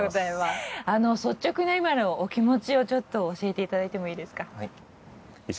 率直な今のお気持ちをちょっと教えていただいてもいいですか？